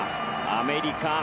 アメリカ。